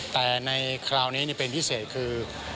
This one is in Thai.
แต่ในคราวนี้เป็นพิเศษคือ